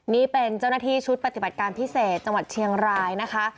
นี่เป็นเจ้าหน้าที่ชุดปฏิบัติการพิเศษจังหวัดเชียงรายนะคะ